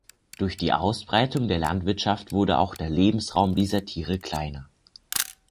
Durch die Ausbreitung der Landwirtschaft wurde auch der Lebensraum dieser Tiere kleiner.